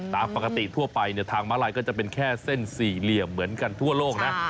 ตามปกติทั่วไปเนี่ยทางม้าลายก็จะเป็นแค่เส้นสี่เหลี่ยมเหมือนกันทั่วโลกนะ